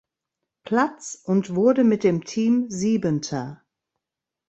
Platz und wurde mit dem Team Siebenter.